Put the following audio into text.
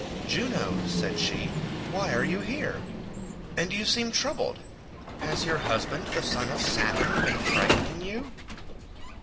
"Juno," said she, "why are you here? And you seem troubled—has your husband the son of Saturn been frightening you?"